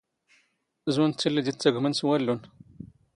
ⵣⵓⵏ ⴷ ⵜⵉⵍⵍⵉ ⴷ ⵉⵜⵜⴰⴳⵯⵎⵏ ⵙ ⵡⴰⵍⵍⵓⵏ.